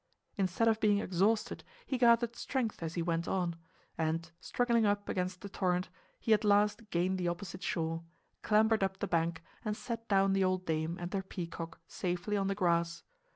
Instead of being exhausted he gathered strength as he went on; and, struggling up against the torrent, he at last gained the opposite shore, clambered up the bank and set down the old dame and her peacock safely on the grass.